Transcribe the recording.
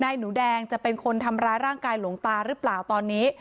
หนูแดงจะเป็นคนทำร้ายร่างกายหลวงตาหรือเปล่าตอนนี้